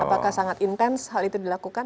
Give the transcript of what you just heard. apakah sangat intens hal itu dilakukan